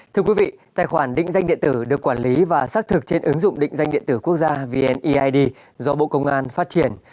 thưa quý vị tài khoản định danh điện tử được quản lý và xác thực trên ứng dụng định danh điện tử quốc gia vneid do bộ công an phát triển